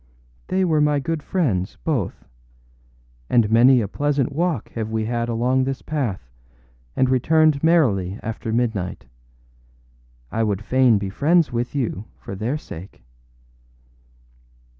They were my good friends, both; and many a pleasant walk have we had along this path, and returned merrily after midnight. I would fain be friends with you for their sake.